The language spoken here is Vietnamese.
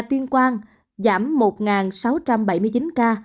tuyên quang giảm một sáu trăm bảy mươi chín ca